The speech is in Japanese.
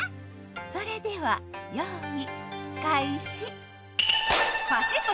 それではよい開始。